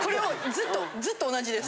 ずっとずっと同じです！